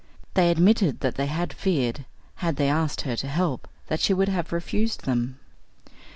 They admitted that they had feared, had they asked her to help, that she would have refused them.